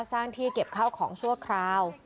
ที่เก็บข้าวของชั่วคราว